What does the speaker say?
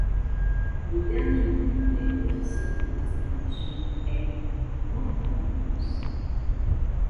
Le dernier nom complet officiel de la distribution est Mandriva Linux.